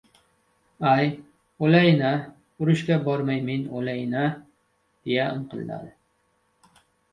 "Ay, o‘layin-a, urushga bormay men o‘layin-a!" deya inqilladi.